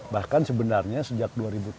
bahkan sebenarnya sejak dua ribu tujuh belas